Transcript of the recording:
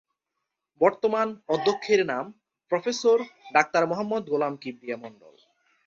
বর্তমান অধ্যক্ষের নাম প্রফেসর ডাক্তার মোহাম্মদ গোলাম কিবরিয়া মন্ডল।